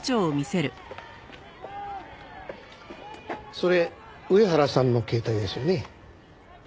それ上原さんの携帯ですよね？